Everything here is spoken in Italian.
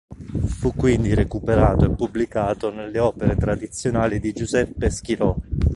Fu quindi recuperato e pubblicato nelle opere tradizionali di Giuseppe Schirò.